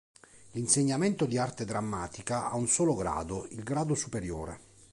L'insegnamento di Arte drammatica ha un solo grado, il grado superiore.